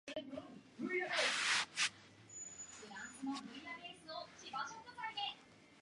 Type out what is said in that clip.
At these two points, there is a curve in Bay Street.